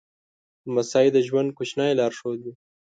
لمسی د ژوند کوچنی لارښود وي.